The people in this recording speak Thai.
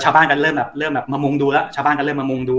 ชาวบ้านก็เริ่มแบบเริ่มแบบมามุงดูแล้วชาวบ้านก็เริ่มมามุงดู